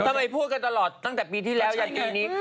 ทำไมพูดกันตลอดตั้งแต่ปีที่แล้วจากปีนี้